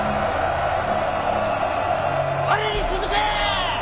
我に続け！